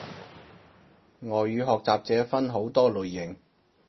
外語學習者分好多類型